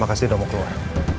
makasih udah mau keluar